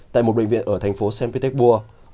tại một bệnh viện ở thành phố sempitechburg